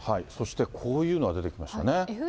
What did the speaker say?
そしてこういうのが出てきましたね。